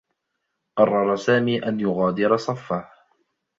قرّر سامي أن يغادر صفّه.